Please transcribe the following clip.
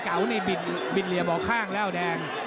ตอนนี้มันถึง๓